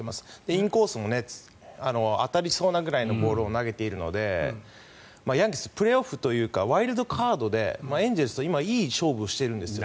インコースも当たりそうなくらいのボールを投げているのでヤンキース、プレーオフというかワイルドカードでエンゼルスと今、いい勝負をしてるんですよ。